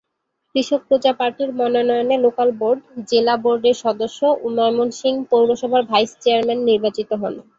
কৃষক প্রজা পার্টির মনোনয়নে লোকাল বোর্ড, জেলা বোর্ডের সদস্য ও ময়মনসিংহ পৌরসভার ভাইস চেয়ারম্যান নির্বাচিত হন।